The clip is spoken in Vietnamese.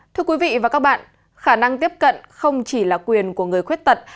thưa quý vị và các bạn khả năng tiếp cận không chỉ là quyền của người khuyết tật